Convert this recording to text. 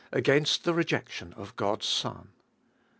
Against the Rejection of God's Son.